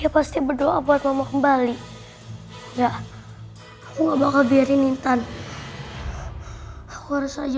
pasti berdoa buat mama kembali ya aku nggak bakal biarin intan aku harus aja